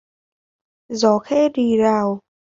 Gió khẽ rì rào